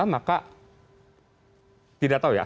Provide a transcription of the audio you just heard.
maka tidak tahu ya